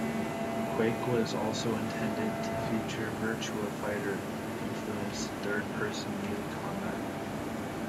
"Quake" was also intended to feature "Virtua Fighter" influenced third-person melee combat.